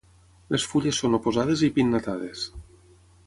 Les fulles són oposades i pinnatades.